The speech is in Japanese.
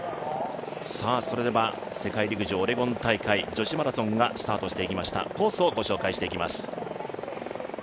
それでは世界陸上オレゴン大会女子マラソンがスタートしましたコースをご紹介しておきます。